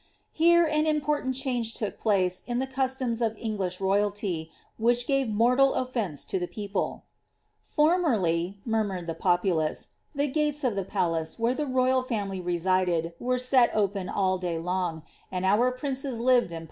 Here an important change took place in tlie customs of English royalty, which gave mortal oflence to the people. ^ Formerly," luumiured the populace, ^ the gates of the palace, where the royal ikmily resided, were set open all day long, and our princes lived iu * Uulinsdhed.